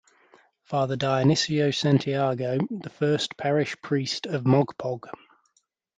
Father Dionisio Santiago the first parish priest of mogpog.